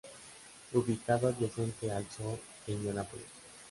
Ubicado adyacente al Zoo de Indianapolis.